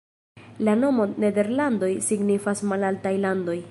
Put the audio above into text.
La nomo "Nederlandoj" signifas "malaltaj landoj".